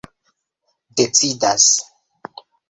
decidas